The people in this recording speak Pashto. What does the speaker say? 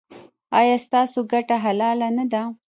ایا ستاسو ګټه حلاله نه ده؟